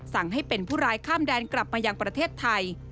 สั่งให้เป็นผู้ร้ายข้ามแดนกลับมายังประเทศไทย